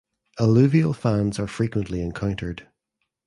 Alluvial fans are frequently encountered.